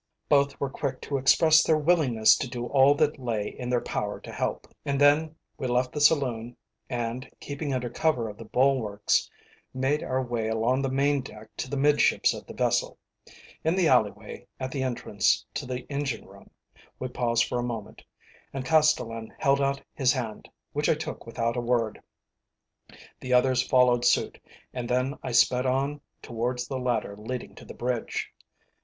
Both were quick to express their willingness to do all that lay in their power to help, and then we left the saloon and, keeping under cover of the bulwarks, made our way along the main deck to the midships of the vessel. In the alleyway at the entrance to the engine room we paused for a moment, and Castellan held out his hand, which I took without a word. The others followed suit, and then I sped on towards the ladder leading to the bridge.